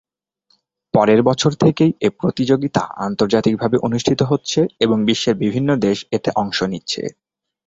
পরের বছর থেকেই এ প্রতিযোগিতা আন্তর্জাতিক ভাবে অনুষ্ঠিত হচ্ছে এবং বিশ্বের বিভিন্ন দেশ এতে অংশ নিচ্ছে।